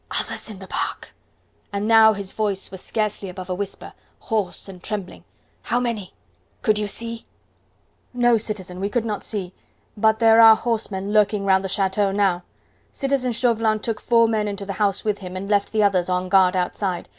"Others in the park!" And now his voice was scarcely above a whisper, hoarse and trembling. "How many? Could you see?" "No, citizen, we could not see; but there are horsemen lurking round the chateau now. Citizen Chauvelin took four men into the house with him and left the others on guard outside.